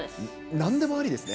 なんでもありですね。